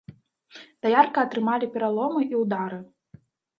Даярка атрымалі пераломы і ўдары.